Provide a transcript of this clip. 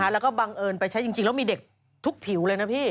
แล้วก็บังเอิญไปใช้จริงแล้วมีเด็กทุกผิวเลยนะพี่